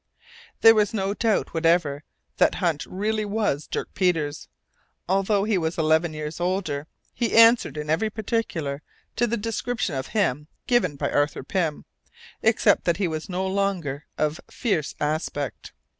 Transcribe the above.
There was no doubt whatever that Hunt really was Dirk Peters. Although he was eleven years older, he answered in every particular to the description of him given by Arthur Pym, except that he was no longer "of fierce aspect."